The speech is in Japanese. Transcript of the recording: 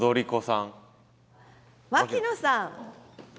牧野さん。